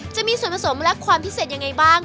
จะมีส่วนผสมและความพิเศษยังไงบ้าง